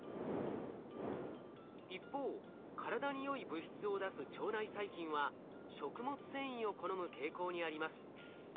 一方体によい物質を出す腸内細菌は食物繊維を好む傾向にあります。